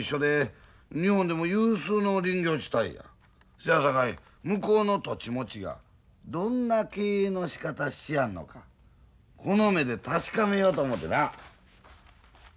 せやさかい向こうの土地持ちがどんな経営のしかたしやんのかこの目で確かめようと思てな。